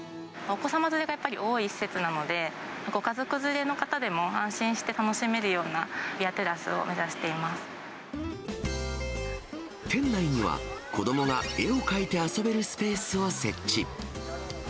お子様連れがやっぱり多い施設なので、ご家族連れの方でも安心して楽しめるようなビアテラス店内には、子どもが絵を描いて遊べるスペースを設置。